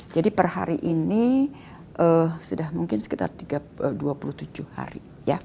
jadi per hari ini sudah mungkin sekitar dua puluh tujuh hari